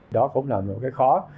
đó cũng là một cái khó